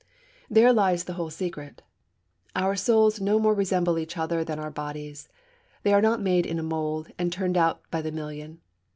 There lies the whole secret. Our souls no more resemble each other than our bodies; they are not made in a mould and turned out by the million.